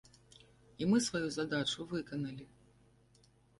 І мы сваю задачу выканалі.